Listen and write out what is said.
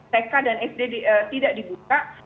tk dan sd tidak dibuka